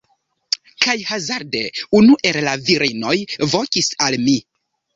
Kaj hazarde unu el la virinoj vokis al mi